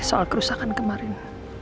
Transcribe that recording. soal kerusakan kemarin